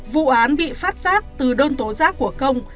vụ án bị phát giác từ đơn tố giác của công